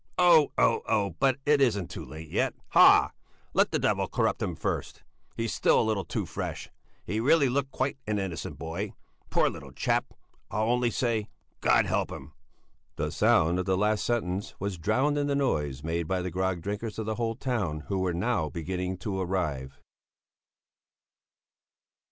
Oh! Oh! Oh! But it isn't too late yet! Hah! Let the devil corrupt him first! He's still a little too fresh! He really looked quite an innocent boy! Poor little chap! I'll only say 'God help him!'" The sound of the last sentence was drowned in the noise made by the grog drinkers of the whole town who were now beginning to arrive.